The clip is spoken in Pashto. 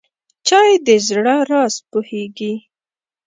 چای د زړه راز پوهیږي.